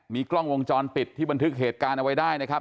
มีกล้องวงจรปิดที่บันทึกเหตุการณ์เอาไว้ได้นะครับ